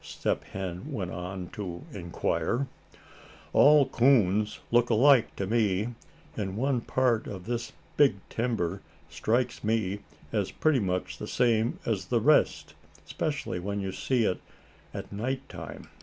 Step Hen went on to inquire, "all coons look alike to me; and one part of this big timber strikes me as pretty much the same as the rest, 'specially when you see it at night time."